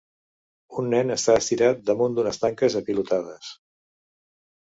Un nen està estirat damunt d'unes tanques apilotades.